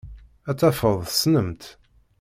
Ad tafeḍ tessnem-tt.